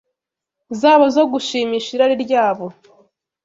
zabo zo gushimisha irari ryabo